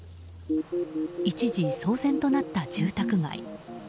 一時騒然となった住宅街。